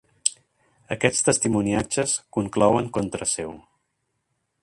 Aquests testimoniatges conclouen contra seu.